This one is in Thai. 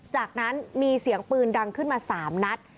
จากนั้นมีเสียงปืนดังขึ้นมา๓นัด